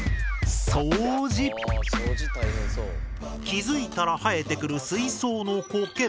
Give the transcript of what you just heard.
気付いたら生えてくる水槽のコケ。